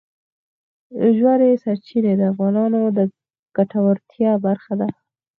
ژورې سرچینې د افغانانو د ګټورتیا برخه ده.